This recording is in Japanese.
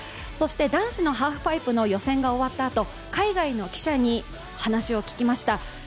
そして男子のハーフパイプの予選が終わったあと海外の記者に話を聞きました。